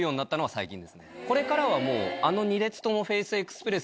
これからはもうあの。